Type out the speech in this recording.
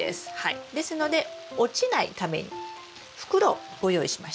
ですので落ちないために袋をご用意しました。